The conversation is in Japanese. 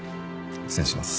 失礼します。